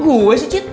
gak tau gue sih cit